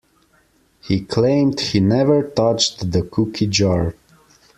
He claimed he never touched the cookie jar.